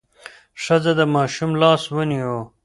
ښځه د ماشوم لاس ونیو.